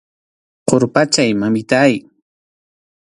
Qurpachaway, mamitáy.